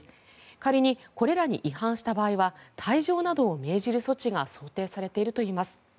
仮にこれらに違反した場合は退場などを命じる措置が想定されているといいます。